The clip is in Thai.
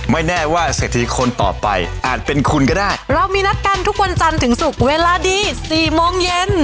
แน่ว่าเศรษฐีคนต่อไปอาจเป็นคุณก็ได้เรามีนัดกันทุกวันจันทร์ถึงศุกร์เวลาดีสี่โมงเย็น